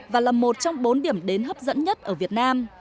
và là một trong bốn điểm đến hấp dẫn nhất ở việt nam